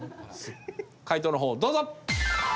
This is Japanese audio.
解答の方をどうぞ！